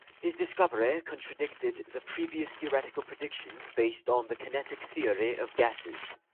His discovery contradicted the previous theoretical predictions based on the kinetic theory of gases.